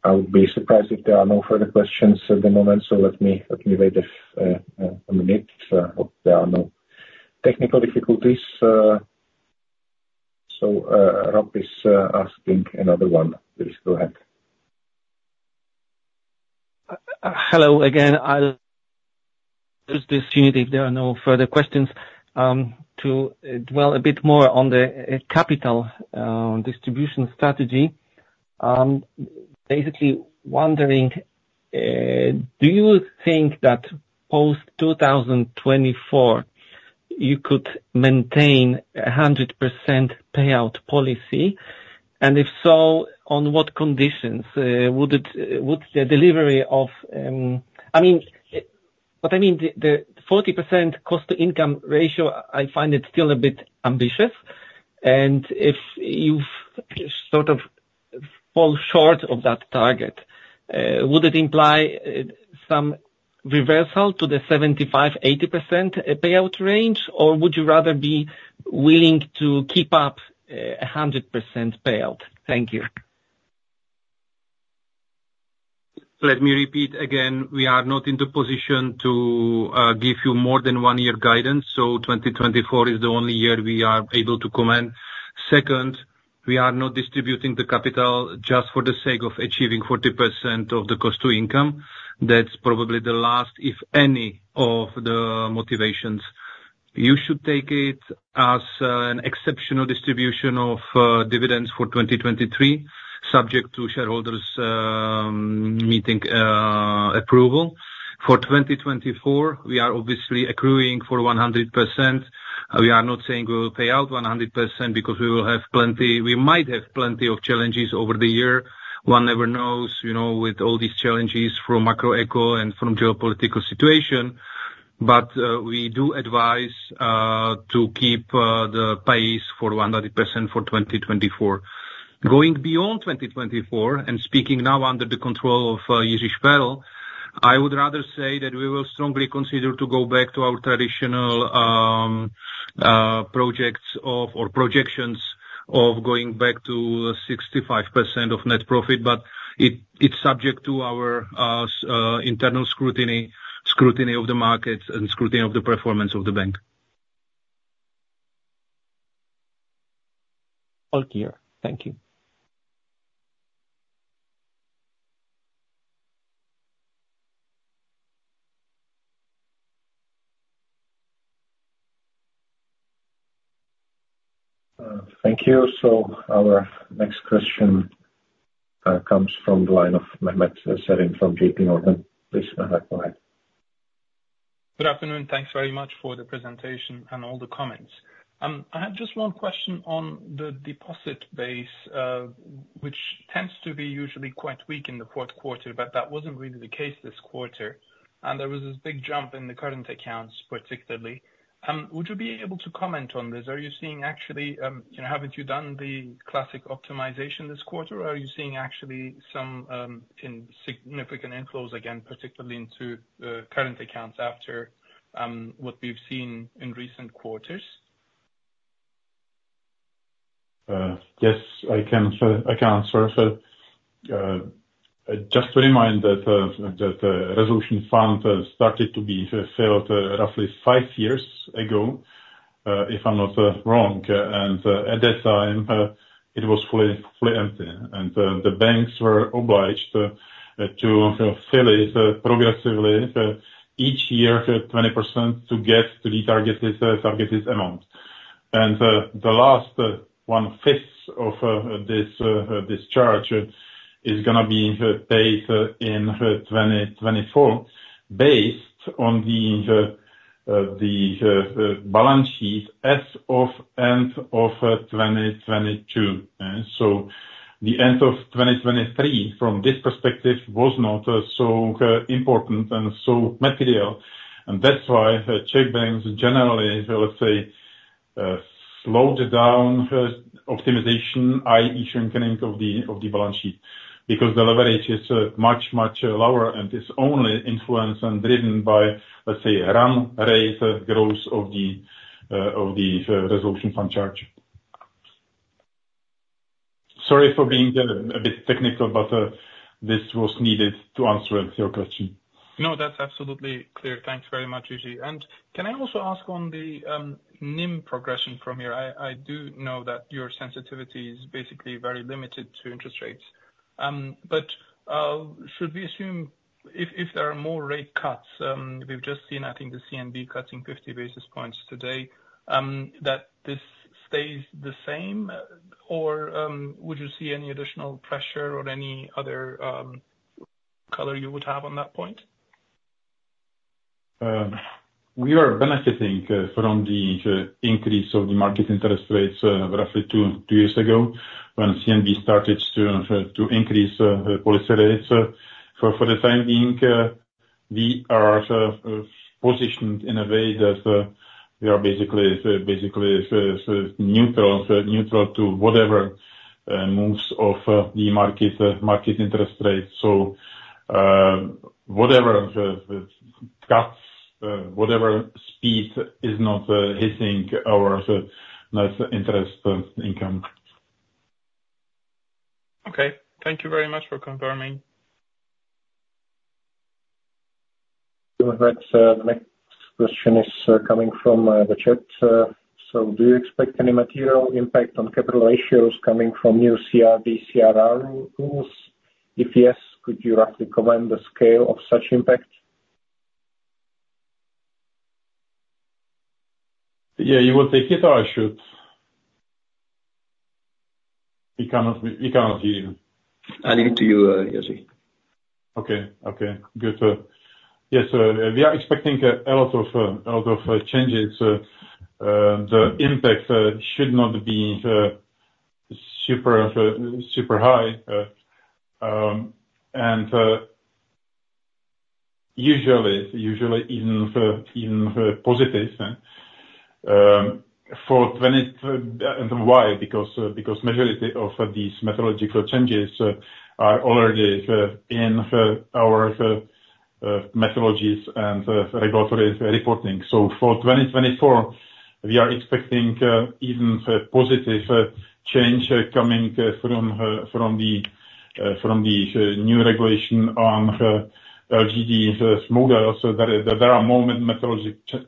I would be surprised if there are no further questions at the moment, so let me wait a minute. Hope there are no technical difficulties. So, Rob is asking another one. Please, go ahead. Hello again. I'll use this opportunity if there are no further questions, to dwell a bit more on the capital distribution strategy. Basically wondering, do you think that post 2024, you could maintain a 100% payout policy? And if so, on what conditions? Would it, would the delivery of... I mean, what I mean, the 40% cost to income ratio, I find it still a bit ambitious, and if you've sort of fall short of that target, would it imply some reversal to the 75%-80% payout range? Or would you rather be willing to keep up a 100% payout? Thank you. Let me repeat again, we are not in the position to give you more than one-year guidance, so 2024 is the only year we are able to comment. Second, we are not distributing the capital just for the sake of achieving 40% of the cost to income. That's probably the last, if any, of the motivations. You should take it as an exceptional distribution of dividends for 2023, subject to shareholders meeting approval. For 2024, we are obviously accruing for 100%. We are not saying we will pay out 100% because we will have plenty, we might have plenty of challenges over the year. One never knows, you know, with all these challenges from macro eco and from geopolitical situation, but we do advise to keep the pace for 100% for 2024. Going beyond 2024, and speaking now under the control of Jiří Šperl, I would rather say that we will strongly consider to go back to our traditional projects of or projections of going back to 65% of net profit, but it, it's subject to our internal scrutiny, scrutiny of the markets, and scrutiny of the performance of the bank. All clear. Thank you. Thank you. Our next question comes from the line of Mehmet from J.P. Morgan. Please, Mehmet, go ahead. Good afternoon. Thanks very much for the presentation and all the comments. I have just one question on the deposit base, which is usually quite weak in the fourth quarter, but that wasn't really the case this quarter, and there was this big jump in the current accounts, particularly. Would you be able to comment on this? Are you seeing actually, you know, haven't you done the classic optimization this quarter, or are you seeing actually some insignificant inflows, again, particularly into current accounts after what we've seen in recent quarters? Yes, I can answer. Just to remind that resolution fund started to be filled roughly 5 years ago, if I'm not wrong. And at that time it was fully empty, and the banks were obliged to fill it progressively each year 20% to get to the targeted amount. And the last one-fifth of this charge is gonna be paid in 2024, based on the balance sheet as of end of 2022. And so the end of 2023 from this perspective was not so important and so material, and that's why the Czech banks generally, let's say, slowed down optimization, i.e. shrinking of the balance sheet, because the leverage is much, much lower, and is only influenced and driven by, let's say, around rate of growth of the resolution fund charge. Sorry for being a bit technical, but this was needed to answer your question. No, that's absolutely clear. Thanks very much, Jiří. And can I also ask on the NIM progression from here? I do know that your sensitivity is basically very limited to interest rates, but should we assume if there are more rate cuts, we've just seen, I think, the CNB cutting 50 basis points today, that this stays the same, or would you see any additional pressure or any other color you would have on that point? We are benefiting from the increase of the market interest rates roughly two years ago, when CNB started to increase policy rates. For the time being, we are positioned in a way that we are basically neutral to whatever moves of the market interest rate. So, whatever the cuts, whatever speed is not hitting our net interest income. Okay, thank you very much for confirming. All right, the next question is coming from the chat, "So do you expect any material impact on capital ratios coming from new CRD, CRR rules? If yes, could you roughly comment the scale of such impact? Yeah, you will take it, or I should? He cannot be, he cannot hear you. I leave it to you, Jiří. Okay. Okay, good. Yes, we are expecting a lot of changes, the impact should not be super high, and usually even positive, huh? For 2024, and why? Because majority of these methodological changes are already in our methodologies and regulatory reporting. So for 2024, we are expecting even a positive change coming from the new regulation on LGD models. There are more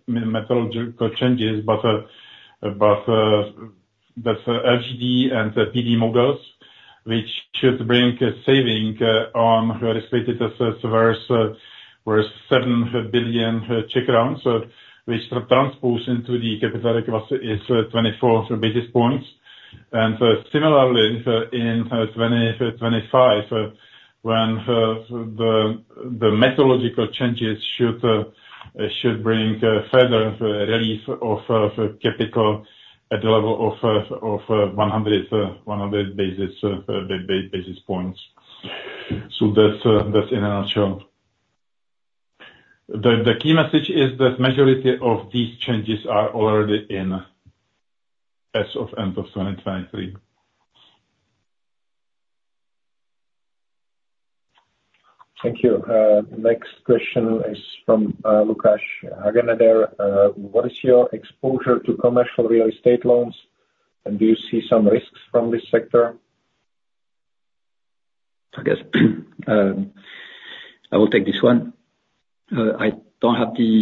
methodological changes, but LGD and PD models, which should bring a saving on related assets worth 7 billion Czech crowns, which transpose into the capital ratio is 24 basis points. Similarly, in 2025, when the methodological changes should bring further relief of capital at the level of 100 basis points. So that's in a nutshell. The key message is that majority of these changes are already in as of end of 2023. Thank you. The next question is from Lukas Hagenader, "What is your exposure to commercial real estate loans, and do you see some risks from this sector? I guess, I will take this one. I don't have the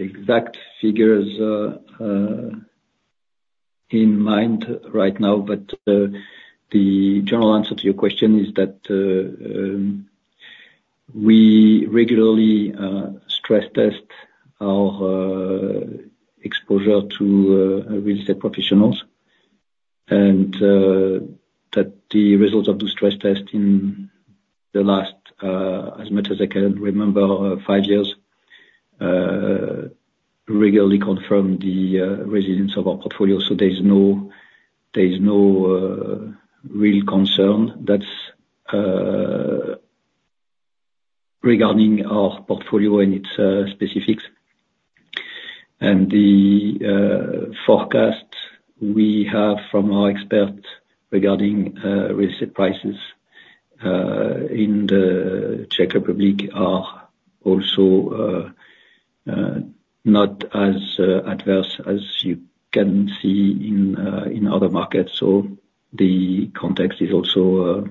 exact figures in mind right now, but the general answer to your question is that we regularly stress test our exposure to real estate professionals, and that the results of the stress test in the last, as much as I can remember, five years regularly confirm the resilience of our portfolio, so there's no, there's no real concern that's regarding our portfolio and its specifics. And the forecast we have from our experts regarding recent prices in the Czech Republic are also not as adverse as you can see in other markets, so the context is also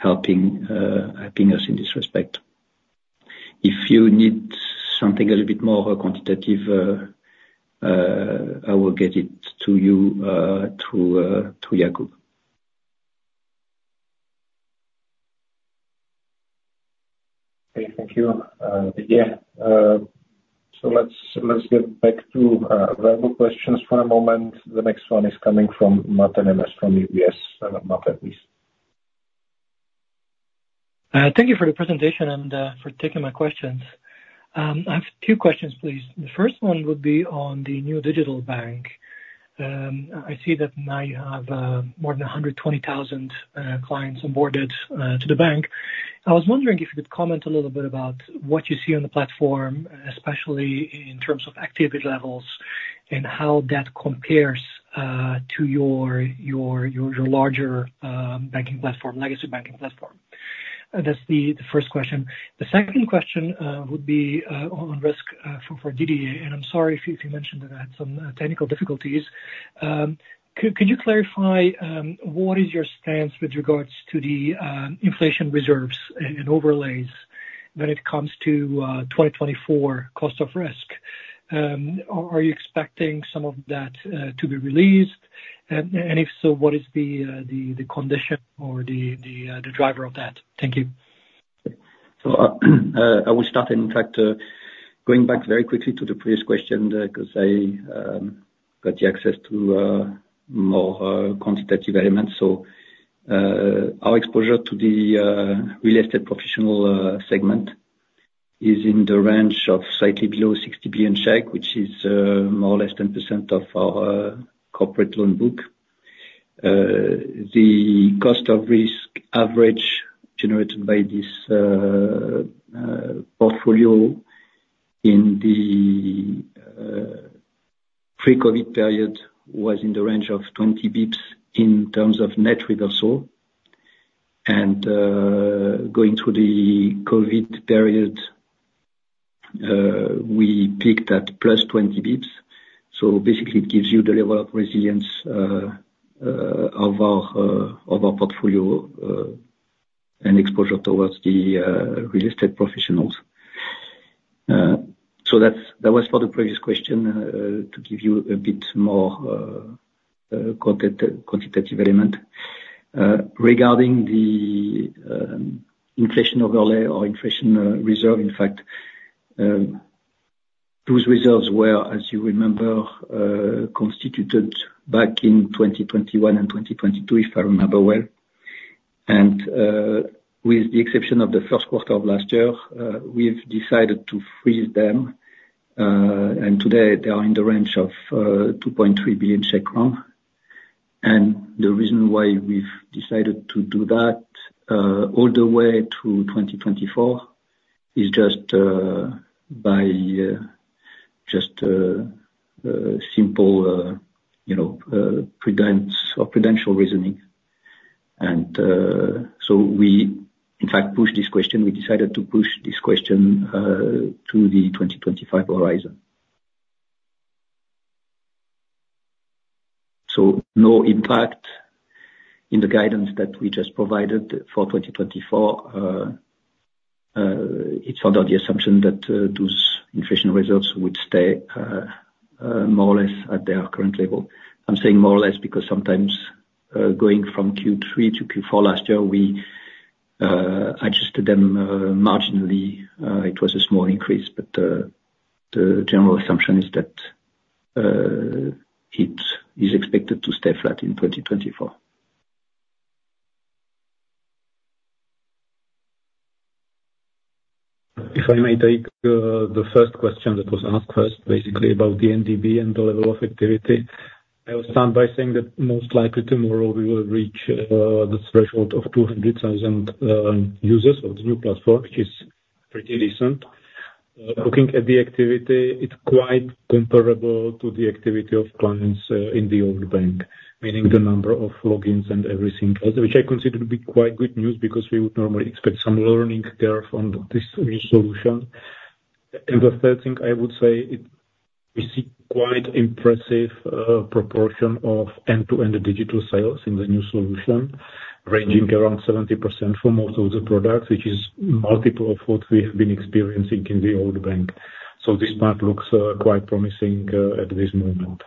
helping us in this respect. If you need something a little bit more quantitative, I will get it to you through Jakub. Okay, thank you. Yeah, so let's get back to questions for a moment. The next one is coming from Martin from UBS, and not least. Thank you for the presentation, and for taking my questions. I have two questions, please. The first one would be on the New Digital Bank. I see that now you have more than 120,000 clients onboarded to the bank. I was wondering if you could comment a little bit about what you see on the platform, especially in terms of activity levels, and how that compares to your larger banking platform, legacy banking platform. That's the first question. The second question would be on risk for DDA, and I'm sorry if you mentioned that I had some technical difficulties. Could you clarify what is your stance with regards to the inflation reserves and overlays when it comes to 2024 cost of risk? Are you expecting some of that to be released? And if so, what is the condition or the driver of that? Thank you. So, I will start. In fact, going back very quickly to the previous question, 'cause I got the access to more quantitative elements. Our exposure to the real estate professional segment is in the range of slightly below CZK 60 billion, which is more or less 10% of our corporate loan book. The cost of risk average generated by this portfolio in the pre-COVID period was in the range of 20 basis points in terms of net reversal. Going through the COVID period, we peaked at +20 basis points. So basically, it gives you the level of resilience of our portfolio and exposure towards the real estate professionals. So that's, that was for the previous question, to give you a bit more, quantitative element. Regarding the inflation overlay or inflation reserve, in fact, those reserves were, as you remember, constituted back in 2021 and 2022, if I remember well. And with the exception of the first quarter of last year, we've decided to freeze them, and today, they are in the range of 2.3 billion Czech crown. And the reason why we've decided to do that, all the way to 2024, is just by just simple, you know, prudence or prudential reasoning. And so we in fact pushed this question, we decided to push this question to the 2025 horizon. So no impact in the guidance that we just provided for 2024. It's under the assumption that those inflation reserves would stay more or less at their current level. I'm saying more or less, because sometimes going from Q3-Q4 last year, we adjusted them marginally. It was a small increase, but the general assumption is that it is expected to stay flat in 2024. If I may take the first question that was asked first, basically about the NDB and the level of activity. I will start by saying that most likely tomorrow we will reach the threshold of 200,000 users on the new platform, which is pretty decent. Looking at the activity, it's quite comparable to the activity of clients in the old bank, meaning the number of logins and everything else, which I consider to be quite good news, because we would normally expect some learning curve on this new solution. The third thing I would say, we see quite impressive proportion of end-to-end digital sales in the new solution, ranging around 70% for most of the products, which is multiple of what we have been experiencing in the old bank. So this part looks quite promising at this moment.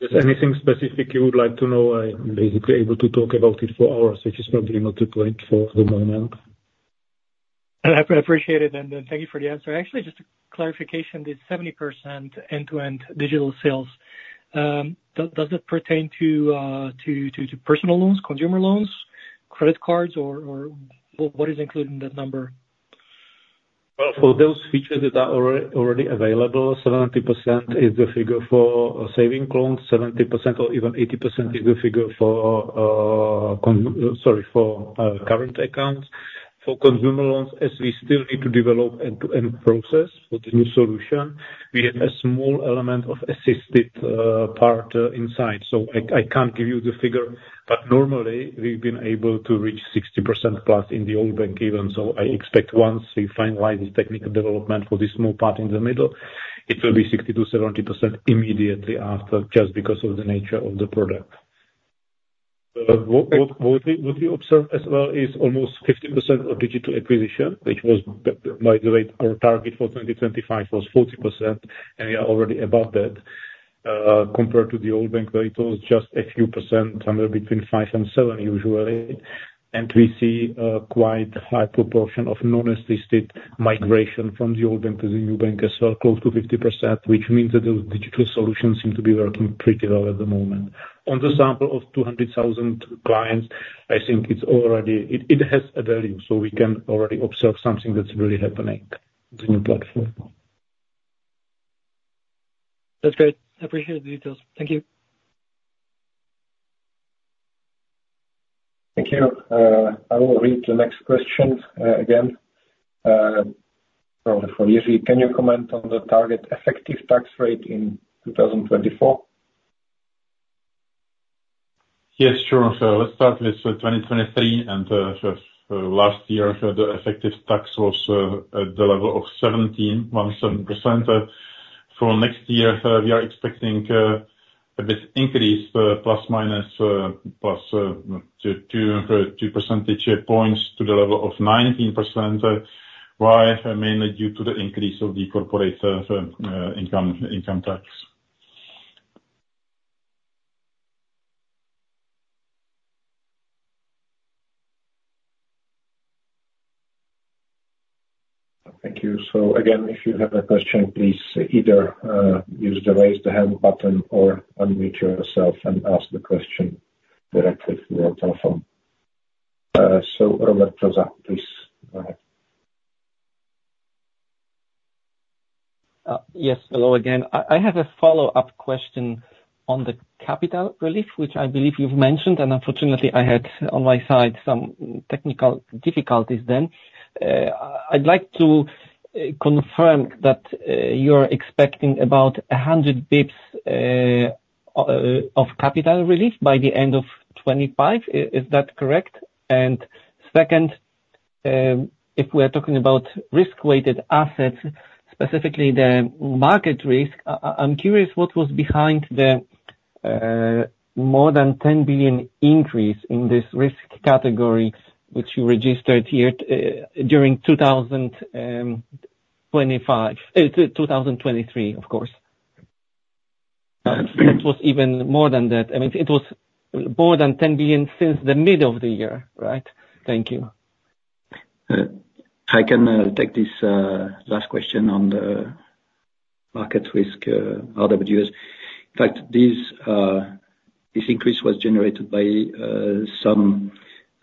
If there's anything specific you would like to know, I'm basically able to talk about it for hours, which is probably not the point for the moment. And I appreciate it, and thank you for the answer. Actually, just a clarification, this 70% end-to-end digital sales. Does it pertain to personal loans, consumer loans, credit cards, or what is included in that number? Well, for those features that are already, already available, 70% is the figure for saving loans. Seventy percent or even eighty percent is the figure for current accounts. For consumer loans, as we still need to develop end-to-end process for the new solution, we have a small element of assisted part inside. So I can't give you the figure, but normally, we've been able to reach 60%+ in the old bank even. So I expect once we finalize the technical development for this small part in the middle, it will be 60%-70% immediately after, just because of the nature of the product. What we observe as well is almost 50% of digital acquisition, which was, by the way, our target for 2025 was 40%, and we are already above that, compared to the old bank, where it was just a few percent, somewhere between five and seven, usually. We see a quite high proportion of non-assisted migration from the old bank to the new bank as well, close to 50%, which means that those digital solutions seem to be working pretty well at the moment. On the sample of 200,000 clients, I think it's already. It has a value, so we can already observe something that's really happening in the new platform. That's great. I appreciate the details. Thank you. Thank you. I will read the next question, again, probably for Jiří. Can you comment on the target effective tax rate in 2024? Yes, sure. So let's start with sort of 2023, and so last year, so the effective tax was at the level of 17.17%. For next year, we are expecting a bit increase, ±2 percentage points to the level of 19%. Why? Mainly due to the increase of the corporate income tax. Thank you. So again, if you have a question, please either use the Raise the Hand button or unmute yourself and ask the question directly through your telephone. So Robert Brzoza, please, go ahead. Yes, hello again. I have a follow-up question on the capital relief, which I believe you've mentioned, and unfortunately, I had on my side some technical difficulties then. I'd like to confirm that you're expecting about 100 basis points of capital relief by the end of 2025. Is that correct? And second, if we're talking about risk-weighted assets, specifically the market risk, I'm curious what was behind the more than 10 billion increase in this risk category, which you registered here during 2023, of course. It was even more than that. I mean, it was more than 10 billion since the mid of the year, right? Thank you. I can take this last question on the market risk, RWA. In fact, this increase was generated by some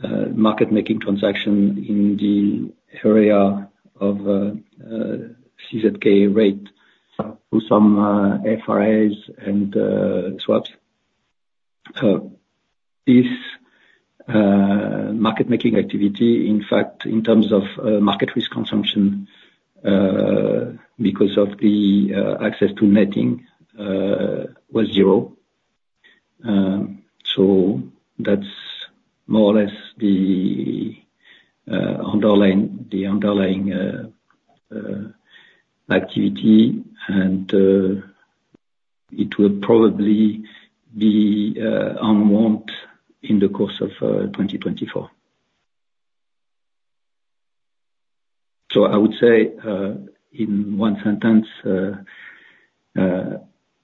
market-making transaction in the area of CZK rate through some FRAs and swaps. This market making activity, in fact, in terms of market risk consumption, because of the access to netting, was zero. So that's more or less the underlying activity, and it will probably be unwound in the course of 2024. So I would say, in one sentence,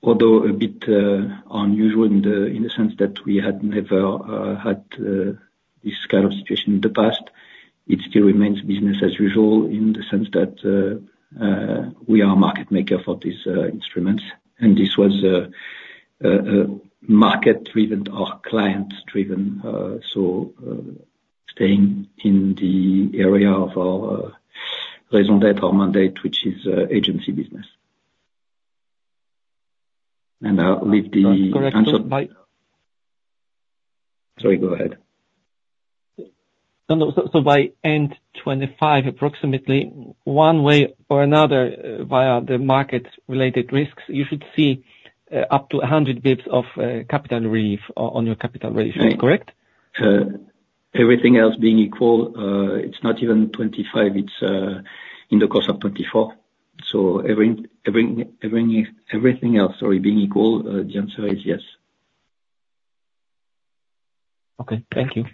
although a bit unusual in the sense that we had never had this kind of situation in the past, it still remains business as usual, in the sense that we are a market maker for these instruments, and this was a market-driven or client-driven, so staying in the area of our raison d'être mandate, which is agency business. And I'll leave the answer- Correct. So by end 2025, approximately, one way or another, via the market-related risks, you should see up to 100 basis points of capital relief on your capital relief, correct? Everything else being equal, it's not even 2025, it's in the course of 2024. So everything else, sorry, being equal, the answer is yes. Okay, thank you.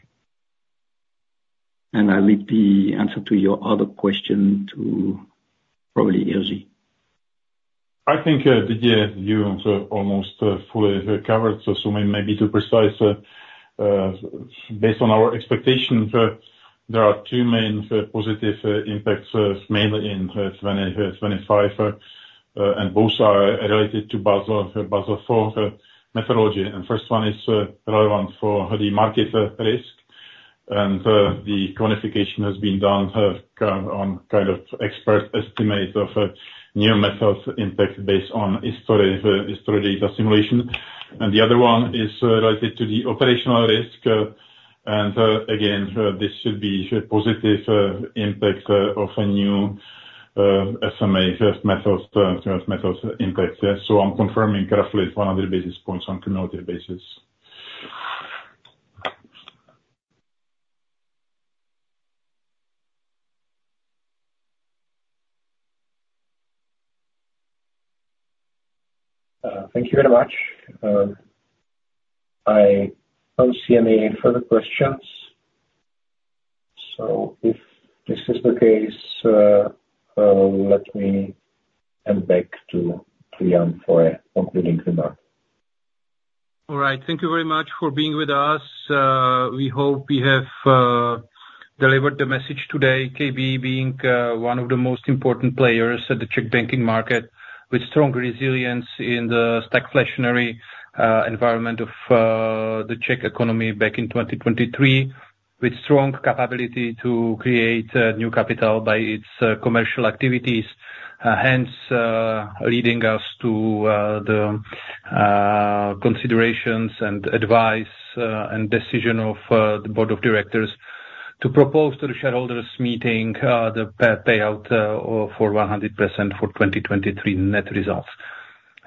I'll leave the answer to your other question to probably Jiří. I think, Didier, you almost fully covered, so maybe to be precise. Based on our expectation, there are two main positive impacts, mainly in 2025, and both are related to Basel IV methodology. And first one is relevant for the market risk, and the quantification has been done on kind of expert estimate of new methods impact based on historic data simulation. And the other one is related to the operational risk, and again, this should be a positive impact of a new SMA first methods impact. Yes, so I'm confirming carefully 100 basis points on cumulative basis. Thank you very much. I don't see any further questions, so if this is the case, let me hand back to Jan for a concluding remark. All right. Thank you very much for being with us. We hope we have delivered the message today, KB being one of the most important players at the Czech banking market, with strong resilience in the stagflationary environment of the Czech economy back in 2023, with strong capability to create new capital by its commercial activities. Hence, leading us to the considerations and advice, and decision of the board of directors to propose to the shareholders meeting the payout for 100% for 2023 net results.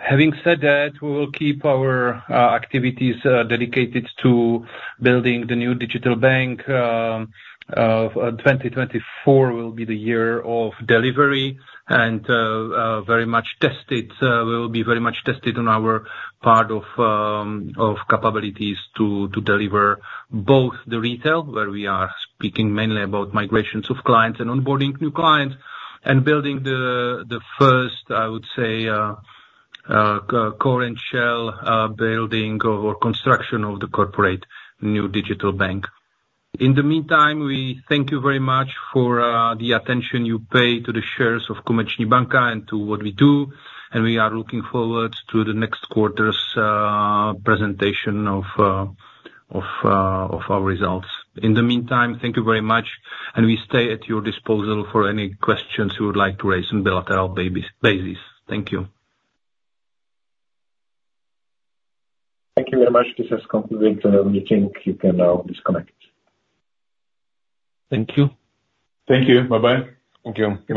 Having said that, we will keep our activities dedicated to building the New Digital Bank. 2024 will be the year of delivery and very much tested on our part of capabilities to deliver both the retail, where we are speaking mainly about migrations of clients and onboarding new clients, and building the first, I would say, core and shell building or construction of the corporate New Digital Bank. In the meantime, we thank you very much for the attention you pay to the shares of Komerční banka and to what we do, and we are looking forward to the next quarter's presentation of our results. In the meantime, thank you very much, and we stay at your disposal for any questions you would like to raise on bilateral basis. Thank you. Thank you very much. This has concluded the meeting. You can now disconnect. Thank you. Thank you. Bye-bye. Thank you.